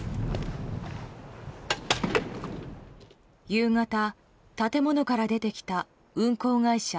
夕方、建物から出てきた運航会社